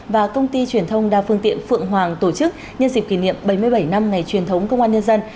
và công ty truyền thông đa phương tiện phượng hoàng tổ chức nhân dịp kỷ niệm bảy mươi bảy năm ngày truyền thống công an nhân dân